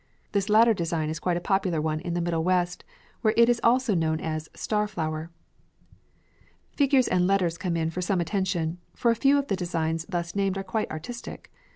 This latter design is quite a popular one in the Middle West, where it is known also as "Star Flower." Figures and letters come in for some attention, for a few of the designs thus named are quite artistic.